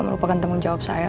melupakan teman jawab saya